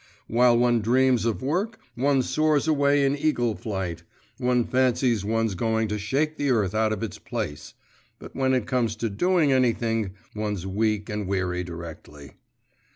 While one dreams of work, one soars away in eagle flight; one fancies one's going to shake the earth out of its place but when it comes to doing anything, one's weak and weary directly.